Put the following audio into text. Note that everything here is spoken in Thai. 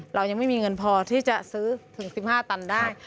เรายังไม่มีเงินพอที่จะซื้อถึง๑๕ตันได้